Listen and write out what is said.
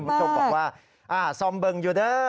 คุณผู้ชมบอกว่าซอมเบิ่งอยู่เด้อ